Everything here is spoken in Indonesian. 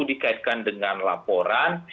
dikaitkan dengan laporan